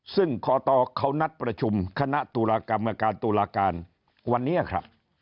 ซึ่งคอตเขานัดประชุมคณะตุลากรรมการตุลาการวันนี้ครับ